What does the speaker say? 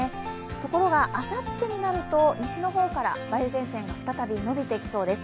ところが、あさってになると西の方から梅雨前線が再びのびてきそうです。